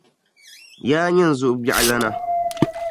Yaa nyini zuɣu biɛɣu lana.